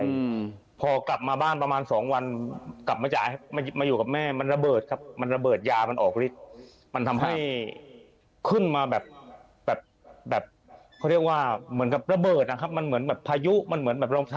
อือพอกลับมาบ้านประมาณสองวันกลับมาจ่ายให้ค่ะมาอยู่